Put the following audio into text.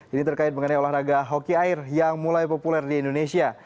ini terkait mengenai olahraga hoki air yang mulai populer di indonesia